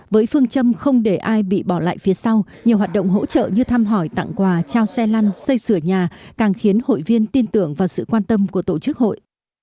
với phương châm không để ai bị bỏ lại phía sau nhiều hoạt động hỗ trợ như thăm hỏi tặng quà trao xe lăn xây sửa nhà càng khiến hội viên tin tưởng vào sự quan tâm của tổ chức hội